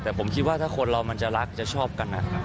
แต่ผมคิดว่าถ้าคนเรามันจะรักจะชอบกันนะครับ